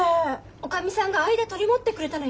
おかみさんが間取り持ってくれたのよ。